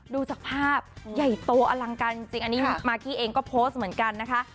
ดูจากภาพใหญ่โตอลังการจริงอันนี้มากกี้เองก็โพสต์เหมือนกันนะคะ